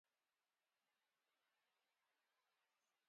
What you hear is the rushing of a torrent.